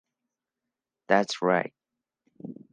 That's right!